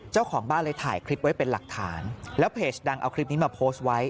เจ้าของบ้านเลยถ่ายคลิปไว้เป็นหลักฐานแล้วเพจดังเอาคลิปนี้มาโพสต์ไว้